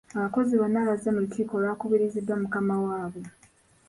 Abakozi bonna baazze mu lukiiko olwakubiriziddwa mukama waabwe.